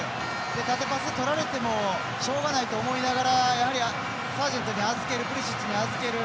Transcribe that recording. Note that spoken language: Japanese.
縦パスとられてもしょうがないと思いながらサージェントに預けるプリシッチに預ける。